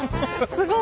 すごい。